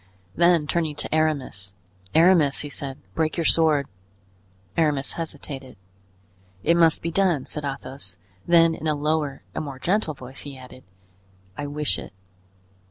Then turning to Aramis: "Aramis," he said, "break your sword." Aramis hesitated. "It must be done," said Athos; then in a lower and more gentle voice, he added. "I wish it."